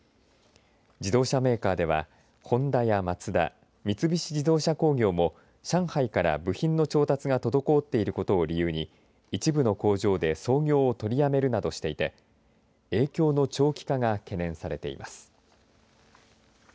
自動車メーカーではホンダやマツダ三菱自動車工業も上海から部品の調達が滞っていることを理由に一部の工場で操業を取りやめるなどしていて影響の長期化が懸念されています。